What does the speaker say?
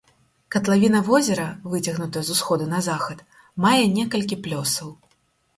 Катлавіна возера, выцягнутая з усходу на захад, мае некалькі плёсаў.